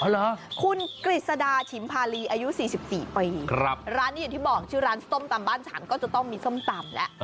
คุณกฤษดาฉิมพาลีอายุ๔๔ปีครับร้านนี้อย่างที่บอกชื่อร้านส้มตำบ้านฉันก็จะต้องมีส้มตำแล้ว